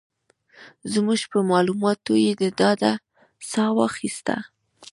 زموږ په مالوماتو یې د ډاډ ساه واخيسته.